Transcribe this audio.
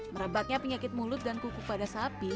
merebaknya penyakit mulut dan kuku pada sapi